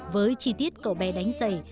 với chi tiết cậu bé đánh giày